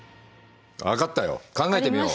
分かったよ考えてみよう。